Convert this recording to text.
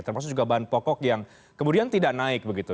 termasuk juga bahan pokok yang kemudian tidak naik begitu